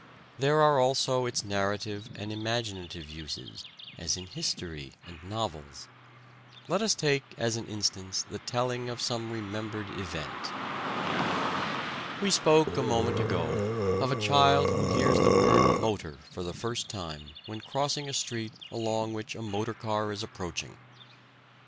There are also its narrative and imaginative uses, as in history and novels. Let us take as an instance the telling of some remembered event. We spoke a moment ago of a child who hears the word "motor" for the first time when crossing a street along which a motor car is approaching.